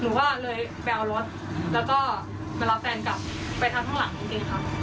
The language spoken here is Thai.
หนูก็เลยไปเอารถแล้วก็มารับแฟนกลับไปทางข้างหลังจริงค่ะ